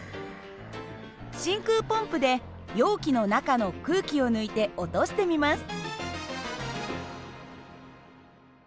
真空ポンプで容器の中の空気を抜いて落としてみます。